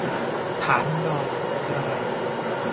ฐานันดร คืออะไร